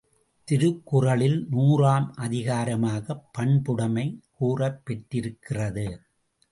திருக்குறளில் நூறு ஆம் அதிகாரமாகப் பண்புடைமை கூறப்பெற்றிருக்கிறது.